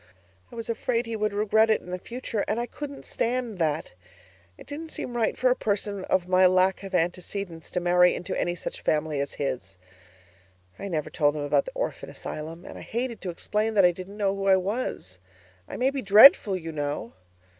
I was afraid he would regret it in the future and I couldn't stand that! It didn't seem right for a person of my lack of antecedents to marry into any such family as his. I never told him about the orphan asylum, and I hated to explain that I didn't know who I was. I may be DREADFUL, you know.